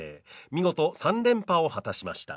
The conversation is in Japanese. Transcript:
見事３連覇を果たしました